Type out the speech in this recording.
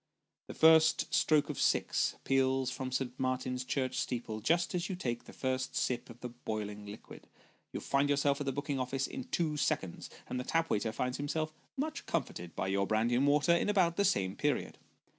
The first stroke of six peals from St. Martin's church steeple, just as you take the first sip of the boiling liquid. You find yourself at the booking office in two seconds, and the tap waiter finds himself much comforted by your brandy and water, in about the same period.